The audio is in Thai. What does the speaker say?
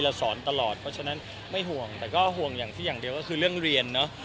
สอนตลอดเพราะฉะนั้นไม่ห่วงแต่ก็ห่วงอย่างที่อย่างเดียวก็คือเรื่องเรียนเนอะ